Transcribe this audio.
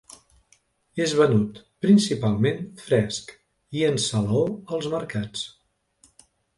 És venut principalment fresc i en salaó als mercats.